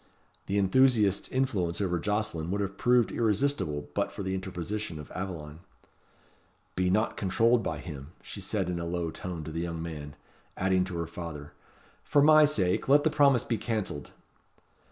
The enthusiast's influence over Jocelyn would have proved irresistible but for the interposition of Aveline. "Be not controlled by him," she said in a low tone to the young man; adding to her father, "For my sake, let the promise be cancelled."